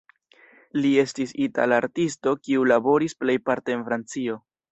Li estis itala artisto kiu laboris plejparte en Francio.